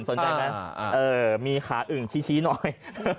สนใจไหมมีขาอึ่งชี้หน่อย